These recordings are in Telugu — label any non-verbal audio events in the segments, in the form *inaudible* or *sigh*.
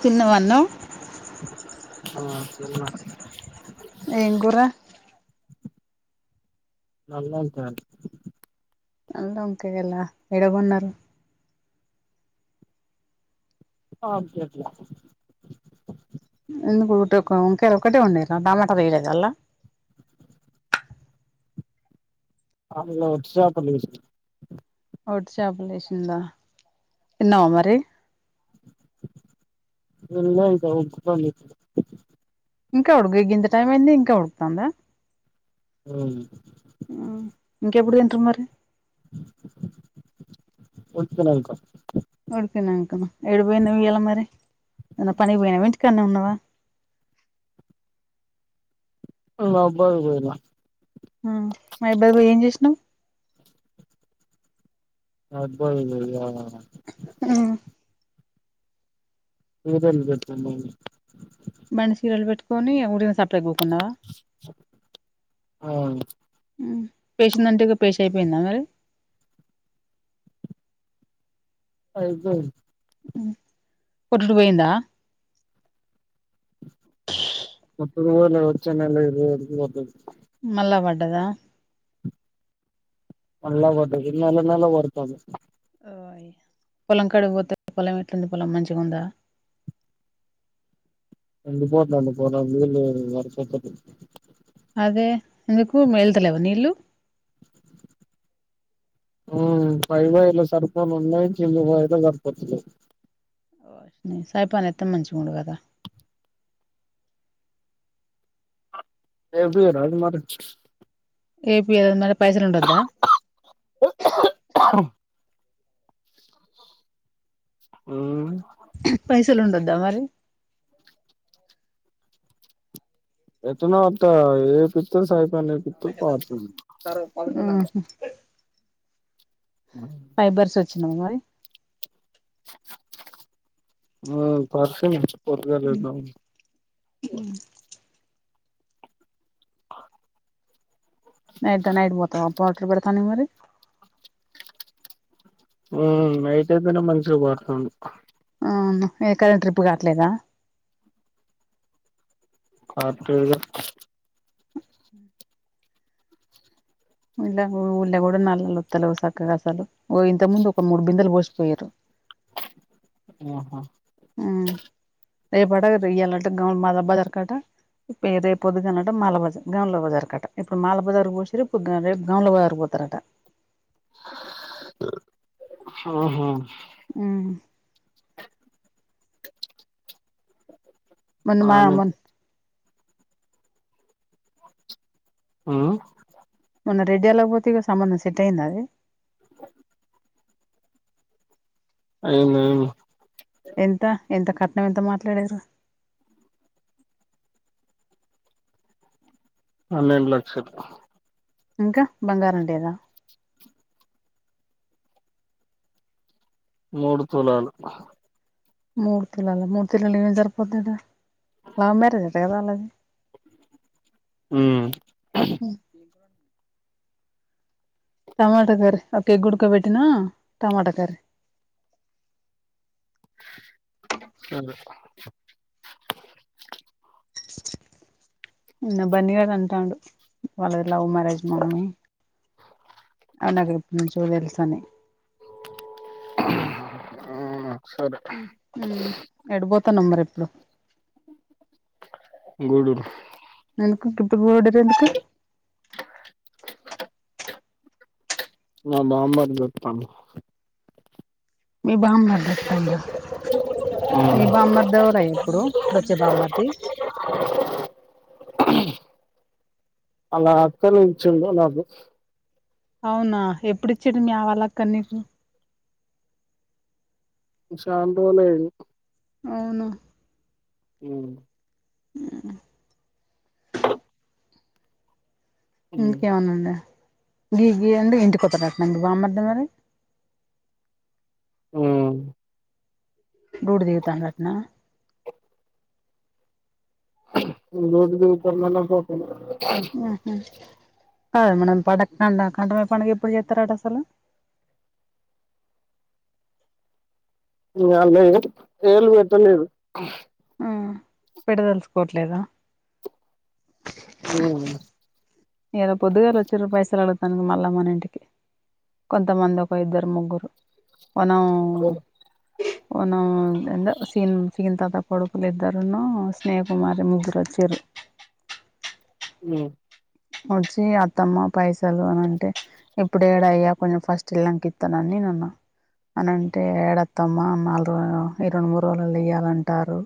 తిన్నవ అన్న *unintelligible* ఎం గూర నల్ల ఒంకయిల్ నల్ల ఒంకయిలా ఏడ గొన్నారు పంపియట్ల ఎందుకు ఉట్ ఒక వంకయిల్ ఒకటే ఒందిరా టమాటాలు వేయలేదల్లా అందులో ఒట్టి చాపలు వేస్ ఒట్టి చాపలేషిందా తిన్నావా మరి తిన్లా ఇంకా *unintelligible* ఇంకా ఉడుగు గింత టైం అయింది ఇంకా ఉడుకుతాందా ఆ ఇంకెప్పుడు తింటారు మరి *unintelligible* ఉడికినంకనా ఏడు పోయినవ్ ఇయాల మరి ఏమన పని వొయినవా ఇంటి కాన్నే ఉన్నావా అబ్బద్దుగదా ఆ మై బద్ వొయి ఎం చేసినావ్ అబ్బదు గదా *unintelligible* మనసిరల్ వెట్టుకొని ఊరిలా స గుకున్నా ఆ ఉ పేశిందంట గ పేశిఅయిపోయిందా మరి అయిపెన్ ఒడ్లు వొయిందా *unintelligible* మళ్ళా పడ్డదా మళ్ళ పడ్డది నెల్ల నెల్ల వడతాది పొలం కడి వొతే పొలం ఎట్లుంది పొలం మంచిగా ఉందా ఎండిపోతంది పొలం నీళ్ళు వరి చెట్లకు అదే ఎందుకు మేళ్తలేవ నీళ్ళు ఆ పై వైలో సరిపోలోనైయి కింద వైలో సరిపోతలే సరిపోనిత్తే మంచిగుండు గదా *unintelligible* ఎపియొద్ద మరి పైసల్ ఉండొద్దా ఆ పైసల్ ఉండొద్ద మరి ఎట్టనో అట్ట ఎపిత్తం సరిపోని పారుతుంది చ్చినవ మరి ఆ పర్స్ నుంచి పొద్దుగాల లేద్దం నైట్ నైట్ పొతవా పోటర్ పెడుతానికి మరి హు మ్ నైటైతెనే మంచిగ పరుతాంద్ అవునా ఎక్కడైనా ట్రిప్ కాట్లేదా కాట్లేదు ఇన్లా *unintelligible* గూడా నల్లలొత్తలెవ్ సక్కగా అసలు ఒ ఇంత ముందు ఒక ముడు బిందలు పోసి పోయిర్రు మ్ హ మ్ రేపట ఇయ్యాల్నాట గౌన్ మల బజార్ కట పె రేప్ పొద్దుగల్నాట మాల బజార్ గౌన్ల బజార్ కట ఇప్పుడు మాల బజార్కు పోసింర్రు ఇప్పుడు గౌ రెప్ గౌన్ల బజార్ క్ పో త్తరట హహా మ్ మొన్న మా బానే మొన్ ఆ మొన్న రెడ్యాలక్ పోతివ్ గా సంబంధం సెట్ అయింద అది అయింది అయింది ఎంత ఎంత కట్నం ఎంత మాట్లాడిర్రు పన్నెండు లక్షలు ఇంకా బంగారం లేదా ముడు తులాలు ముడు తులాల ముడు తులాలు ఎడ సరిపోతది లవ్ మ్యరేజ్ అట కద ఆళ్ళది మ్ *inaudible* టమాటా కర్రి ఒక్కెగుడకబెట్టినా టమాటా కర్రి సరె నిన్న బన్నీ గాడు అంటాండు వాళ్ళది లవ్ మ్యారేజ్ మమ్మి అది నాకు ఎప్పటి నుంచో తెలుసని అవునా మ్ హు ఎటుపోతానవ్ మరి ఇప్పుడు గుడూర్ ఎందుకు గిప్పుడు గూడూరెందుకు మా బామ్మర్ది ఒత్తాండు మీ బామ్మర్ది ఒత్తండ మీ బామ్మర్ది ఎవలయ్య ఇప్పుడు ఇప్పుడొచ్చే బామ్మర్ది వాళ్ళ అక్కనిచ్చిండు నాకు అవునా ఎప్పుడిచ్చిండు మీ ఆ వాళ్ళక్కన్ నీకు శాన్ రోలైంది అవునా మ్ ఆ ఇంకేమనుందా గి గి ఏండ్ ఇంటికొత్తడాట్నా మీ బామ్మర్ది మరి ఉ డూటీ దిగుతాండంట్నా డ్యూటీ దిగుతానడొ పోతనడో ఉహు కద్ మనం *unintelligible* కంఠమయ్యే పండుగ ఎప్పుడు చెత్తరట అసలు ఇయ్యళ్ళేట్ ఏళ్ళు పెట్టలేదు పెడ్ తెల్సుకోట్లేదా ఆ ఏదో పొద్దుగాల వొచ్చిరు పైసలు అడుగుతాను మళ్ళా మన ఇంటికి కొంత మంది ఒక ఇద్దరు ముగ్గురు పోన *unintelligible* వొన్ ఎంద సీన్ సీన్ తాత కొడుకులు ఇద్దరును స్నేహకుమారి ముగ్గురు వొచ్చిరు. ఉ వొచ్చి అత్తమ్మ పైసలు అని అంటే ఇప్పుడు ఏడ అయ్యా కొంచెం ఫస్ట్ చిల్లంక ఇత్తనని నేన్ అన్న అని అంటే ఏడ అత్తమ్మ నాలుగు ఈ రెండు మూడు రోజులు ఇయ్యాలంటారు.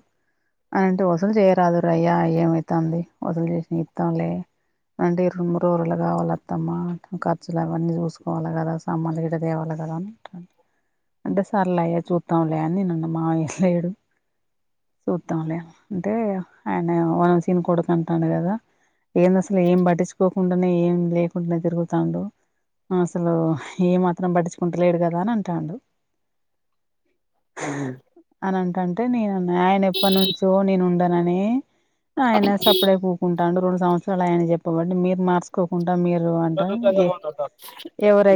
అంటే వసూలు చేయరాదురయ్య ఏమైతాంది వసూలు చేసి ఇత్తమ్లె అంటే ఇ రెండు మూడ్ రోజులల్ల కావాల అత్తమ్మ ఖర్చులు అవన్నీ చూసుకోవాలి గదా సామాన్లు గిట తేవాల గదా. అంటే సర్లయ్య చూద్దాంలే అని నేనన్న మాయ్య లెడు చూద్దాంలే అంటే ఆయన వనసీన్ కొడుకు అంటాండు గదా ఎందస్ లె ఏం పట్టిచ్చుకోకుండనే ఏం లేకుండ తిరుగుతాండు. అసలు ఏ మాత్రం పట్టించుకుంటలెడు గదా అని అంటాండు. ఉహు అంటే నేన్ అన్న ఆయన ఎప్పటినుంచో నేను ఉండనని ఆయన సప్పుడక కూకుంటాండు. రొండు సంవత్సరాలు ఆయన చెప్పబట్టి మీరు మర్సుకోకుండ మీరు వంట గే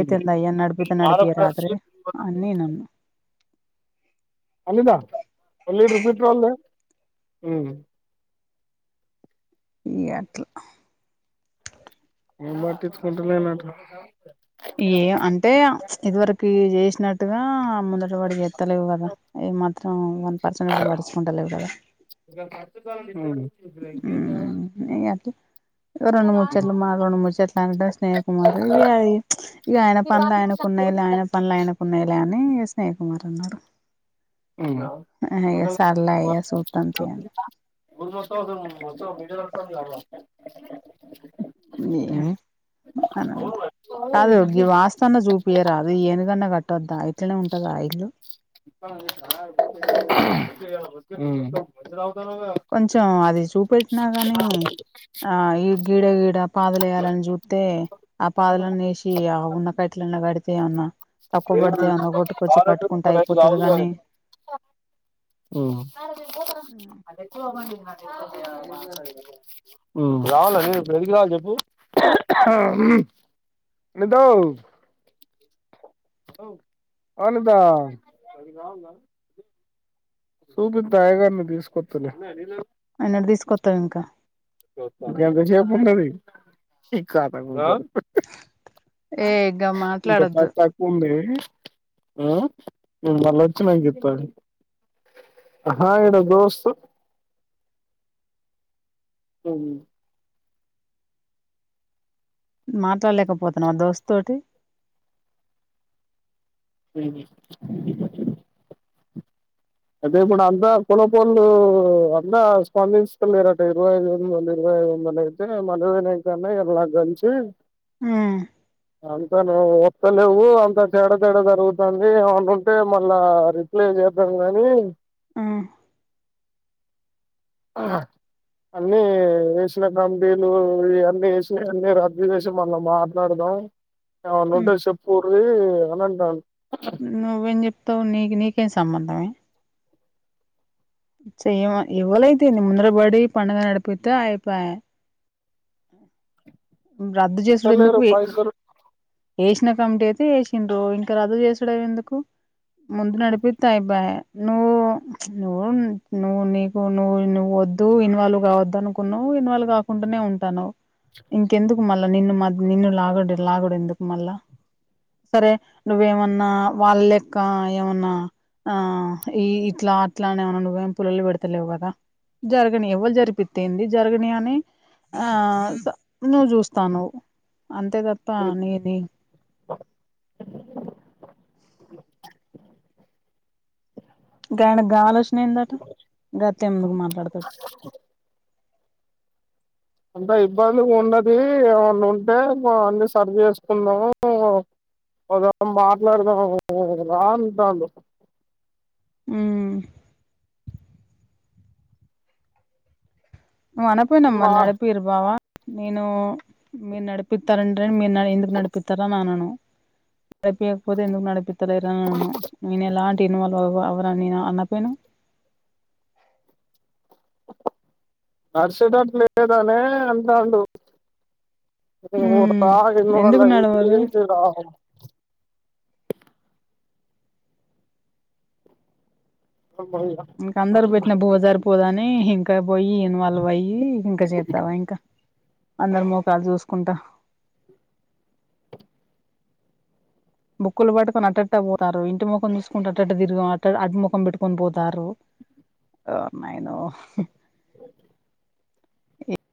ఉమ్. ఏందయ్యా నడిపితే నడిపియ్యారాద్రి ఆడపిల్లలకి అని నేన్ అన్ అల్లిందా ఓ లీటరు పెట్రోల్ ఉ ఈయట్ల మేం పట్టించుకుంట లేనంట ఏ అంటే ఇదివరకు చేసినట్టుగా ముందట పడిగ తలేవు గదా ఇ మాత్రం వన్ పర్సెంట్ గుడ పటిచుకుంటలేవు కదా. ఉమ్ ఇగ ఉ అట్లా రెండు ముచ్చట్లు మావి రెండు ముచ్చట్లు అంద స్నేహ కుమార్ ఇయాయి ఇగ ఆయన పనులు ఆయనకు ఉన్నాయిలే. ఆయన పనులు ఆయనకున్నాయిలే. అని స్నేహ కుమార్ అన్నాడు. ఇంగ ఇగ సర్లే ఇగ సూత్తం తీ అని *unintelligible* ని అనంద్ కాదుగి వాస్త్ అన్న జుపియరాదు ఏనుగన్నా కట్టొద్దా ఇట్లనే ఉంటదా ఇల్లు ఉ కొంచెం అది చూపెట్న గాని ఆ ఈ గీడ గీడ పాదలు వేయాలని జుత్తే ఆ పాదలన్న ఎషి ఆ ఉన్న కట్లన్న కడితే అన్న తక్కువబడితే అనగొట్టుకొచ్చి కట్టుకుంటే అయిపోతది గాని ఉ ఉమ్ రావాల నేను ఇప్పుడు ఏడీకి రావాలి చెప్పు లీద్దు ఓ వాలీద్ద చూపిత్త అయ్యగారిని తీసుకొత్తలే ఎన్నడ్ తీస్కొత్తవ్ ఇంకా ఎంతసేప్ ఉంటది ఈ కాలంలో ఏ ఇగ ఇంకా మాట్లాడొద్దు పద్ తక్కో ఉంది. మీర్ మల్లోచ్చినంక ఇత్త అహా ఈడ దోస్త్ మాట్లాడ్లేకపోతున్నావా దోస్తోటి హుహు అదే ఇప్పుడంతా కులపోళ్ళు అంత స్పందించుతలేరట ఇరవై ఐదు ఎన్లోలు ఇరవై ఆ ఎమ్మనైతే మనోల్ల నుంచన్న ఇగ లగ్గంచి ఉమ్ అంత నువ్వు ఒత్తలెవ్వు అంత తేడ తేడ జరుగుతాంది ఏమ్మానుంటే మళ్ళా రిప్లే చేద్దాం గనీ ఉమ్ ఆ అన్ని ఏసిన కమిటీలు ఇవన్నీ ఏసి అన్ని రద్దు జేసి మళ్ళ మాట్లాడుదాం. అ ఉమ్ ఏమన్నుంటే చెప్పుర్రి అన్ అంటాండ్ నువ్వేం జెప్తవ్ నీక్ నీకేం సంబంధమే చేయవ ఎవలైతేంది ముందర భడి పండగ నడిపిత్తె అయిపాయే రద్దు జేసుడు ఎందుకు ఇస్తలేరు ఏ పైసలు ఏస్ సిన కమిటీ అయితే ఏసిండ్రు ఇంకా రద్దు జేసుడం ఎందుకు ముందు నడిపిత్తె అయిపాయే నూవు నువ్ నువ్వు నీకు నువ్ నువ్వు ఒద్దు ఇన్వాల్వ్ గావద్దనుకున్నావ్ ఇన్వాల్ గాకుంటనే ఉన్ టానవ్ ఇంకెందుకు మళ్ళ నిన్ను మ నిన్ను లాగడ లాగడు ఎందుకు మళ్ళా సరే నువ్వేమన్నా వాళ్లెక్క ఏమన్నా ఆ ఈ ఇట్లా అట్లా అన్ ఏమన్న నువ్వేం పుల్లల్ పెడ్తలేవు గదా జరగని ఎవ్వల్ జరిపిత్తేంది జరగని అని ఆ నువ్ జూస్తానవ్ అంతే తప్ప నీది గాయనక్ గా ఆలోచన ఏందట గట్లెందుకు మాట్లాడ్తడ్ అంత ఇబ్బందిగుండది ఏమన్నుంటే మా అన్ని సర్ చేస్కుందాము ఒసార్ మాట్లాడ్కుందాము రా అంటాండు. మ్ నువ్ అనక్పోయినవ్ మా మరి నడిపీరు బావా నేను మీర్ నడిపిత్తారంటే మీర్ ఎందుక్ నడిపిత్తరన్ అనను నడిపియాకపోతే ఎందుకు నడిపిత్తాలేర్ అననను నేన్ ఎలాంటి ఇన్వాల్వ్ అవ్వ అవ్వనని అనక్పోయినవ్ నడ్సేటట్ లేదనే అంటాండు. ఉమ్ ఎందుకు నడవదు *unintelligible* ఇంక అందరు బెట్టిన బువ్వ జరిపోదని ఇం పొయ్యి ఇన్వాల్వ్ అయ్యి ఇంక జేత్తవ ఇంక అందర్ మోకాల్ జూస్కుంటా బుక్కుల్ వట్టుకొన్ అట్టెట్ట వోతారు ఇంటి ముఖం జూస్కుంట అట్టట్ట తిరిగ అ అట్ ముఖం పెట్టుకోన్ పోతారు. ఓర్ నైనో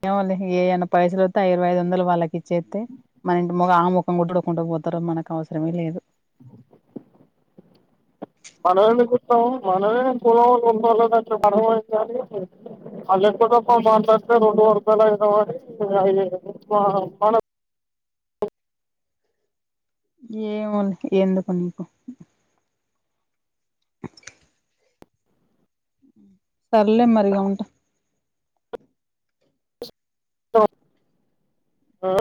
ఏమోలే ఏయన్న పైసలోత్తే ఆ ఇరవై ఐదు వందలు వాళ్ళకిచ్చేత్తే మన ఇంటి మొఖ ఆమె ముడ్డుడోకుంట పోతరో మనక్ అవసరమే లేదు. మనమెందుకుంటం మనదే పోవాలె *unintelligible* ఎక్కువతక్కువ మాట్లాడ్తే రెండు *unintelligible* ఏమోలె ఎందుకు నీకు సర్లే మరి ఇగ ఉంట ఆ